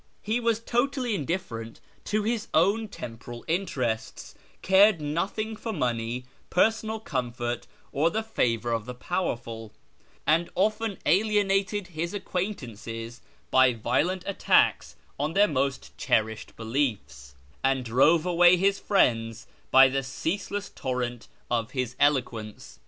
He was totally indifferent to his own temporal interests ; cared nothing for money, personal comfort, or the favour of the powerful ; and often alienated his acquaintances by violent attacks on their most cherished beliefs, and drove away his friends by the ceaseless torrent of his eloquence.